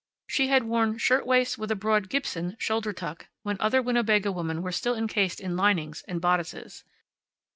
She had worn shirtwaists with a broad "Gibson" shoulder tuck, when other Winnebago women were still encased in linings and bodices.